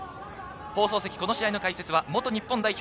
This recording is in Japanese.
放送席、この試合の解説は元日本代表